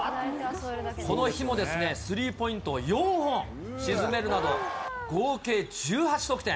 この日も、スリーポイントを４本沈めるなど、合計１８得点。